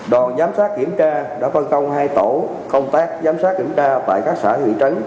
đoàn giám sát kiểm tra đã phân công hai tổ công tác giám sát kiểm tra tại các xã thị trấn